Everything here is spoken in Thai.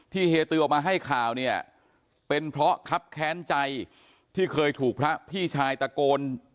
เฮียตือออกมาให้ข่าวเนี่ยเป็นเพราะคับแค้นใจที่เคยถูกพระพี่ชายตะโกน